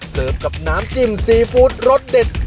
กับน้ำจิ้มซีฟู้ดรสเด็ด